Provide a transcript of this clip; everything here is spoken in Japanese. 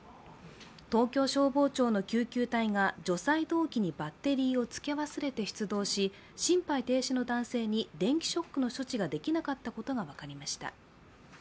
東京消防庁の救急隊が除細動器にバッテリーをつけ忘れて出動し、心肺停止の男性に電気ショックの処置ができなかったことが分かりました。